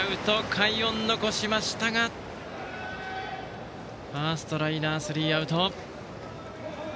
快音を残しましたがファーストライナースリーアウト。